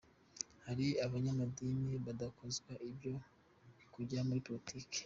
Hari abanyamadini badakozwa ibyo kujya muri politiki.